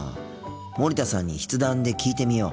森田さんに筆談で聞いてみよう。